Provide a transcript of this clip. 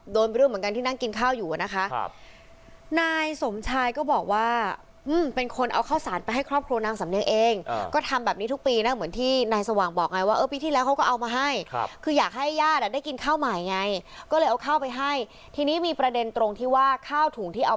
โดนรื่องเหมือนกันที่นั่งกินข้าวอยู่นะ